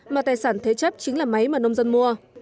mà tài sản thế chấp chính là máy mà nông dân mua